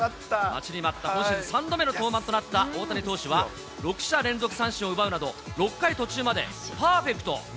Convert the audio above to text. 待ちに待った、今シーズン３度目の登板となった大谷投手は、６者連続三振を奪うなど、６回途中までパーフェクト。